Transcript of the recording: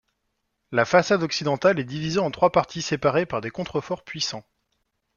La façade occidentale est divisée en trois parties séparées par des contreforts puissants.